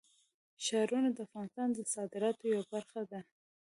ښارونه د افغانستان د صادراتو یوه برخه ده.